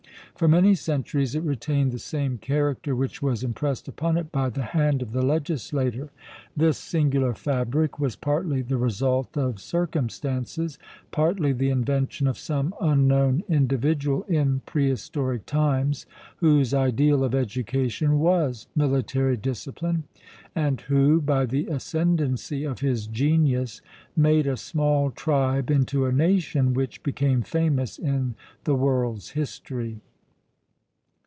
For many centuries it retained the same character which was impressed upon it by the hand of the legislator. This singular fabric was partly the result of circumstances, partly the invention of some unknown individual in prehistoric times, whose ideal of education was military discipline, and who, by the ascendency of his genius, made a small tribe into a nation which became famous in the world's history.